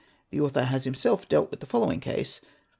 The author has himself dealt with the following case.